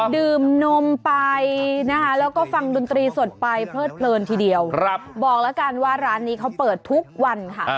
ดื่มนมไปนะคะแล้วก็ฟังดนตรีสดไปเพลิดเพลินทีเดียวบอกแล้วกันว่าร้านนี้เขาเปิดทุกวันค่ะ